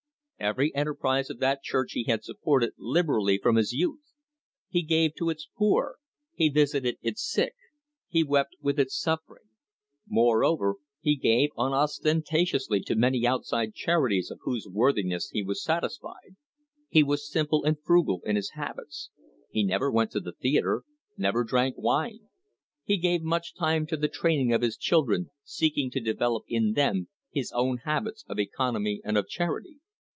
Every enterprise of that church he had supported liberally from his youth. He gave to its poor. He visited its sick. He wept with its suffering. More over, he gave unostentatiously to many outside charities of whose worthiness he was satisfied. He was simple and frugal in his habits. He never went to the theatre, never drank wine. He gave much time to the training of his children, seeking to develop in them his own habits of economy and of charity.